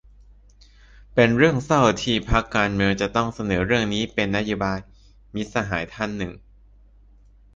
เป็นเรื่องเศร้าที่พรรคการเมืองจะต้องเสนอเรื่องนี้เป็นนโยบาย - มิตรสหายท่านหนึ่ง